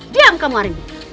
diam kamu arim